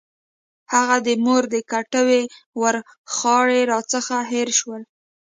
هغه د مور د کټوۍ ورخاړي راڅخه هېر شول.